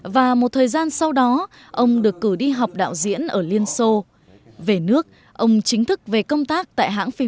và một thời gian sau đó ông được cử đi học đạo diễn điện ảnh